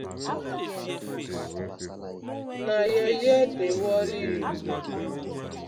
Na yeye dey worry you.